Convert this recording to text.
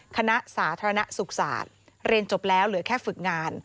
สาธารณสุขศาสตร์เรียนจบแล้วเหลือแค่ฝึกงาน